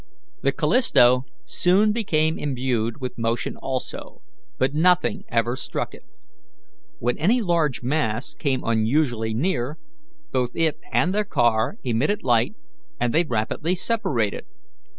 The Callisto soon became imbued with motion also, but nothing ever struck it. When any large mass came unusually near, both it and their car emitted light, and they rapidly separated.